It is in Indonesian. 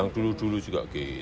yang dulu dulu juga